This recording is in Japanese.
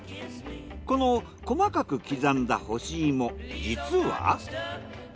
この細かく刻んだ干し芋実は。